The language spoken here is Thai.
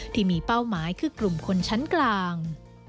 ที่มีเป้าหมายคือกลุ่มคนชั้นกลาง